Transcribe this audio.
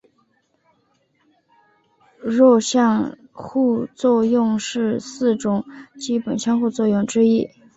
弱相互作用是四种基本相互作用之一。